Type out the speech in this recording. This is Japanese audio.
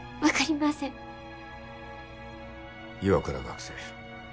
岩倉学生